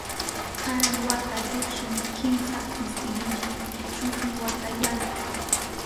Karan wata llukshin kimsa istirilla, shutin wata yaya.